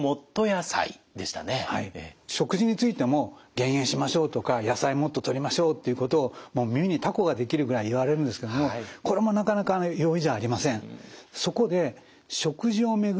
食事についても減塩しましょうとか野菜もっととりましょうということをもう耳にたこが出来るぐらい言われるんですけどもこれもなかなかね容易じゃありません。